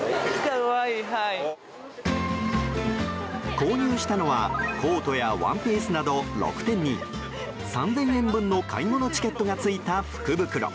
購入したのはコートやワンピースなど６点に３０００円分の買い物チケットがついた福袋。